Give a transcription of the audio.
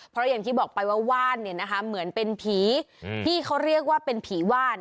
เพราะอย่างที่บอกไปว่าว่านเนี่ยนะคะเหมือนเป็นผีที่เขาเรียกว่าเป็นผีว่าน